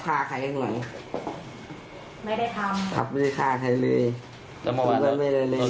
ทำให้คนอื่นหวาดตัวจริงไหม